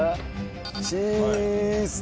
チーズ。